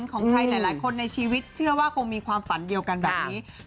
ของใครหลายคนในชีวิตเชื่อว่าคงมีความฝันเดียวกันแบบนี้